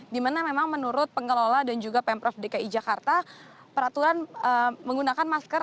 dimana memang menurut pengelola dan juga pemprov dki jakarta peraturan menggunakan masker